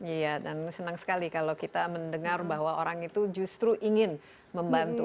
iya dan senang sekali kalau kita mendengar bahwa orang itu justru ingin membantu